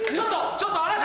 ちょっとあなた！